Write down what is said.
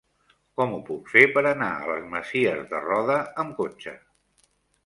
Com ho puc fer per anar a les Masies de Roda amb cotxe?